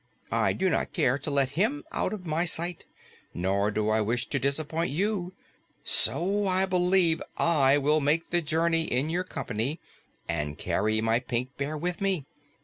I do not care to let him out of my sight, nor do I wish to disappoint you; so I believe I will make the journey in your company and carry my Pink Bear with me.